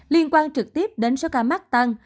liên quan trực tiếp đến số ca mắc tăng